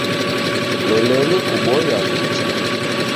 Lolenyi kubonya nicha